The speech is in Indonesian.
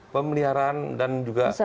pemeliharaan dan juga